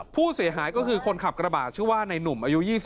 ผู้เสียหายก็คือคนขับกระบาดชื่อว่าในหนุ่มอายุ๒๐